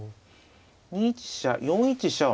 ２一飛車４一飛車はね